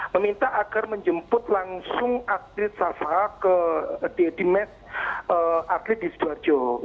meminta agar menjemput langsung atlet safa ke di med atlet di sidoarjo